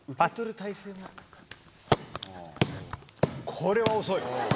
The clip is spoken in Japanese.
これは遅い。